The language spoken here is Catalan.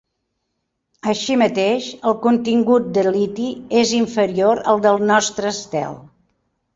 Així mateix, el contingut de liti és inferior al del nostre estel.